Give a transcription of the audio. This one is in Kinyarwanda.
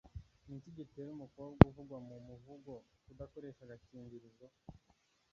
ni iki gitera umukobwa uvugwa mu muvugo kudakoresha agakingirizo